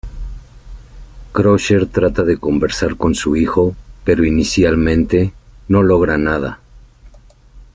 Crusher trata de conversar con su hijo pero inicialmente no logra nada.